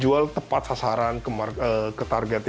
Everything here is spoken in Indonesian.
jual tepat sasaran ke targetnya jual tepat sasaran ke targetnya